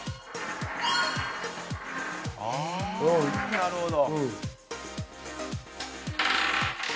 なるほど。